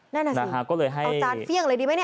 นั่นสิเอาจานเฟี่ยงเลยดีไหมเนี่ยนะครับก็เลยให้